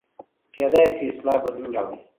کېدای سي اصلاح بدلون راولي.